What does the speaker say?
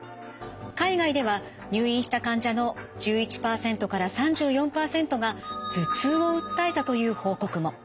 海外では入院した患者の１１％３４％が頭痛を訴えたという報告も。